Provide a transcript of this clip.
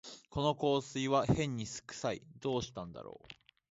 この香水はへんに酢くさい、どうしたんだろう